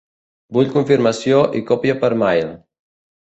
Vull confirmació i còpia per mail.